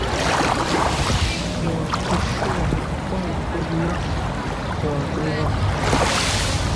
Wɔ ti swɔ ri pɔgi kuli yɔ, jɔ ɗogɔ.